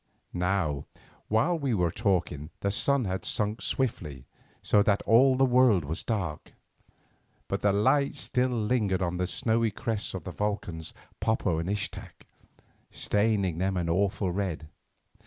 Now while we were talking the sun had sunk swiftly, so that all the world was dark. But the light still lingered on the snowy crests of the volcans Popo and Ixtac, staining them an awful red.